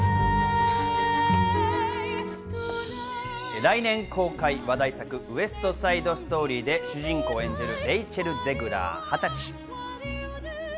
来年公開、話題作『ウエスト・サイド・ストーリー』で主人公を演じるレイチェル・ゼグラー、２０歳。